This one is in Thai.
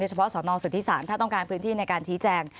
เฉพาะสนสุธิศาลถ้าต้องการพื้นที่ในการชี้แจง